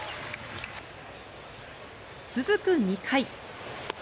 続く２回。